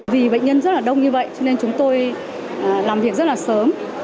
vì bệnh nhân rất là đông như vậy cho nên chúng tôi làm việc rất là sớm